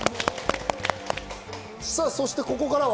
そして、ここからは。